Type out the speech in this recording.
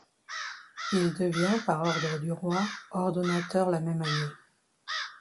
Il devient par ordre du roi ordonnateur la même année.